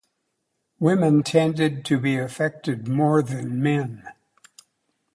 Women tended to be affected more than men.